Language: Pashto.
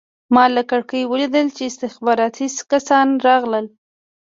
ما له کړکۍ ولیدل چې استخباراتي کسان راغلل